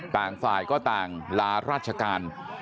ต่างฝ่ายก็ต่างลาราชการ